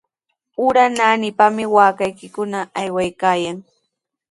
Ura naanipami waakaykikuna aywaykaayan.